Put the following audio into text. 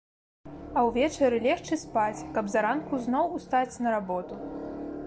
А ўвечары легчы спаць, каб зранку зноў устаць на работу.